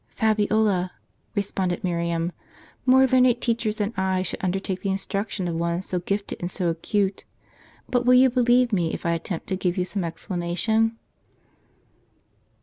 " Fabiola," responded Miriam, " more learned teachers than I should undertake the instruction of one so gifted and so acute. But will you believe me if I attempt to give you some explanation?